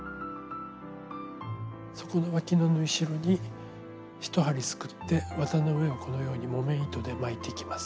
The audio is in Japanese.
底のわきの縫い代に１針すくって綿の上をこのように木綿糸で巻いていきます。